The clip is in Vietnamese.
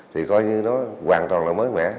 thì coi như nó hoàn toàn là mới mẻ